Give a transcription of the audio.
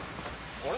あれ？